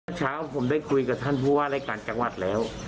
เช้าผมได้คุยกับท่านผู้ว่ารายการจังหวัดแล้ว